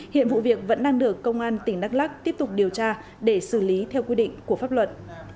hiện vụ việc vẫn đang được công an tỉnh đắk lắc tiếp tục điều tra để xử lý theo quy định của pháp luật